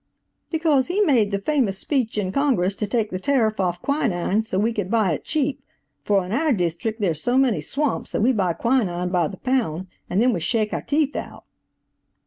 "Because he made the famous speech in Congress to take the tariff off quinine so we could buy it cheap, for in our deestrict there are so many swamps that we buy quinine by the pound, and then we shake our teeth out."